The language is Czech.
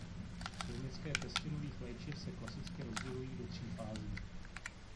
Klinické testy nových léčiv se klasicky rozdělují do tří fází.